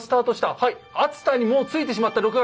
はい熱田にもう着いてしまった６月。